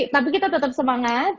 tapi kita tetap semangat